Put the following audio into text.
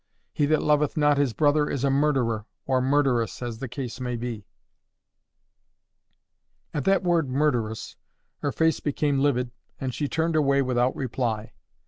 'He that loveth not his brother is a murderer,' or murderess, as the case may be." At that word MURDERESS, her face became livid, and she turned away without reply.